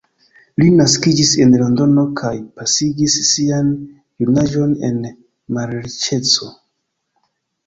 Li naskiĝis en Londono kaj pasigis sian junaĝon en malriĉeco.